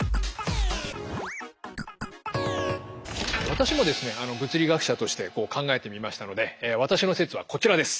私もですね物理学者として考えてみましたので私の説はこちらです。